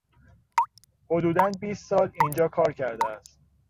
حدودا بیست سال اینجا کار کرده است.